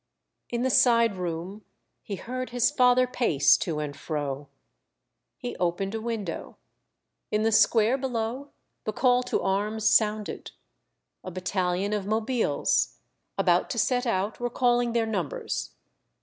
In the side room, he heard his father pace to and fro. He opened a win dow. In the square below, the call to arms sounded. A battahon of mobiles, about to set out, were calling their numbers.